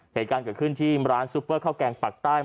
เหตุการณ์เกิดขึ้นที่ร้านซุปเปอร์ข้าวแกงปากใต้